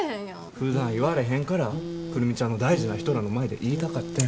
ふだん言われへんから久留美ちゃんの大事な人らの前で言いたかってん。